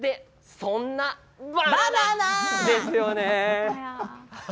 そんなバナナ。ですよね。